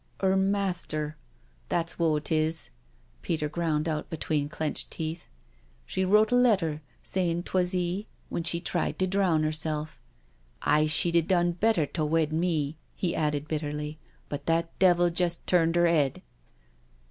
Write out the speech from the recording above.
*'•• 'Er master— that's w'o it is," Peter ground out between clenched teeth. " She wrote a letter, say in' 'twas 'e when she tried to drown 'erself. Aye, she'd a done better t' a wed me," he added bitterly, " but that devil just turned 'er 'ead."